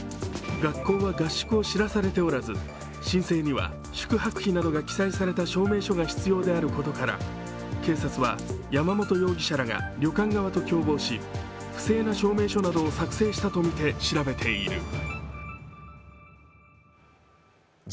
学校は合宿を知らされておらず申請には宿泊費などが記載された証明書が必要であることから警察は山本容疑者らが旅館側と共謀し、不正な証明書などを作成したとみて調べている。